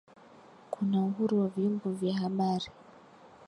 kuna uhuru wa vyombo vya habari